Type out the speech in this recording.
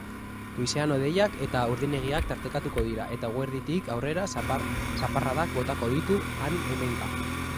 Goizean hodeiak eta urdinguneak tartekatuko dira eta eguerditik aurrera zaparradak botako ditu han-hemenka.